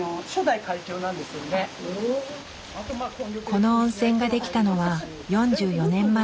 この温泉ができたのは４４年前。